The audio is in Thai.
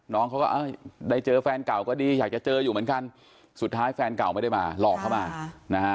น้องเขาก็ได้เจอแฟนเก่าก็ดีอยากจะเจออยู่เหมือนกันสุดท้ายแฟนเก่าไม่ได้มาหลอกเข้ามานะฮะ